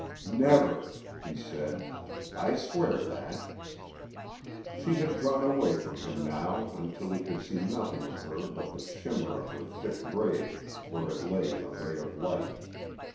"Never," he said. "I swear that." She had drawn away from him now until he could see nothing of her but the shimmer of her thick braid where it lay in a ray of light.